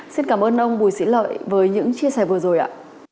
xin cảm ơn ông bùi sĩ lợi với những chia sẻ vừa rồi ạ